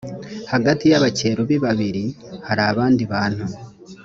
hagati y abakerubi babiri hari abandi bantu